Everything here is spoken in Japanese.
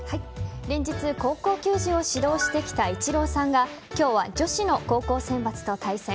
連日、高校球児を指導してきたイチローさんが今日は女子の高校選抜と対戦。